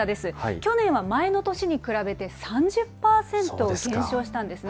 去年は前の年に比べて３０％減少したんですね。